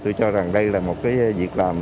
tôi cho rằng đây là một việc làm